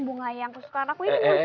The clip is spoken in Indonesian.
bunga yang kesukaan aku